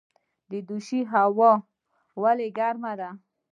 دوشي هوا ولې ګرمه ده؟